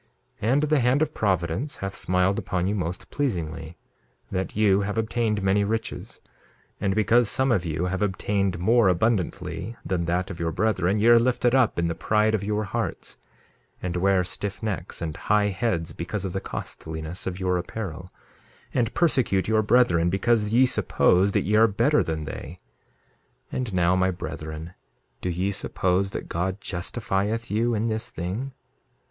2:13 And the hand of providence hath smiled upon you most pleasingly, that you have obtained many riches; and because some of you have obtained more abundantly than that of your brethren ye are lifted up in the pride of your hearts, and wear stiff necks and high heads because of the costliness of your apparel, and persecute your brethren because ye suppose that ye are better than they. 2:14 And now, my brethren, do ye suppose that God justifieth you in this thing?